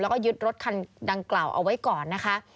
แล้วก็ยึดรถคันดังกล่าวเอาไว้ก่อนนะคะ